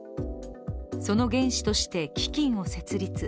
その原資として基金を設立。